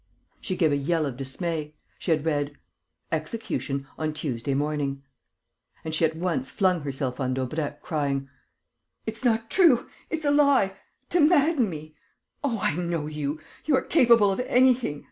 She gave a yell of dismay. She had read: "Execution on Tuesday morning." And she at once flung herself on Daubrecq, crying: "It's not true!... It's a lie ... to madden me.... Oh, I know you: you are capable of anything!